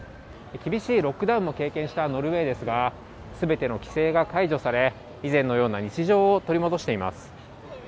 厳しいロックダウンも経験したノルウェーですが、すべての規制が解除され、以前のような日常を取り戻しています。